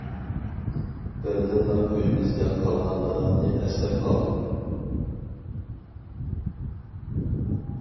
بىردىنلا ئۆيىمىزدە قالغان دادامنى ئەسلەپ قالدىم.